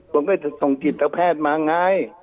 ผมก็จะส่งกิจกรรมแพทย์มาไง